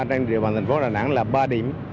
trong đêm giao thông thành phố đà nẵng là ba điểm